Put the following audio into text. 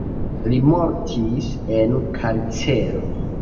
Li mortis en karcero.